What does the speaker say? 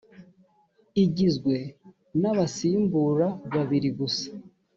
igizwe n abasimbura babiri gusa